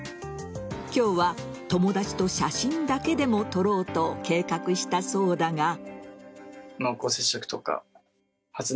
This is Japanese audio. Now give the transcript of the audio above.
今日は友達と写真だけでも撮ろうと計画したそうだが。